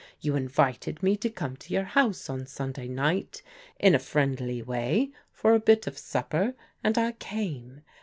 You invited me to come to your house on Sunday night in a friendly way for a bit of supper, and I came.